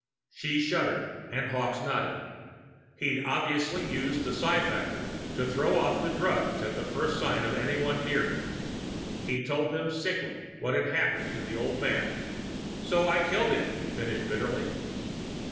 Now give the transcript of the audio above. She shuddered, and Hawkes nodded. He'd obviously used that psi factor to throw off the drugs at the first sign of anyone near him. He told them sickly what had happened to the old man. "So I killed him," he finished bitterly.